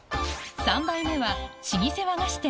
３杯目は老舗和菓子店